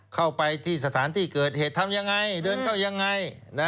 เข้าไปที่สถานที่เกิดเหตุทำยังไงเดินเข้ายังไง